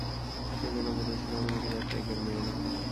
কে যেন বলেছিল, আমি নাকি তার টাইপের মেয়ে না!